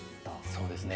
そうですね。